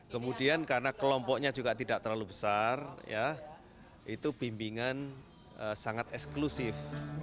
kemudian karena kelompoknya juga tidak terlalu besar itu bimbingan sangat eksklusif